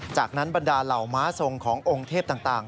จากนั้นบรรดาเหล่าม้าทรงขององค์เทพต่าง